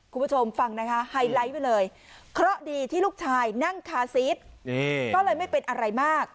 คุณผู้ชมฟังนะคะไฮไลท์ไปเลยเคราะห์ดีที่ลูกชายนั่งคาซีสก็เลยไม่เป็นอะไรมาก